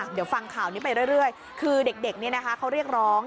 เดี๋ยวฟังข่าวนี้ไปเรื่อยคือเด็กเขาเรียกร้อง